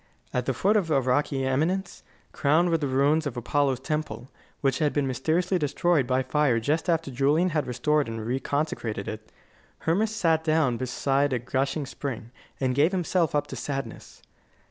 At the foot of a rocky eminence, crowned with the ruins of Apollo's temple, which had been mysteriously destroyed by fire just after Julian had restored and reconsecrated it, Hermas sat down beside a gushing spring, and gave himself up to sadness.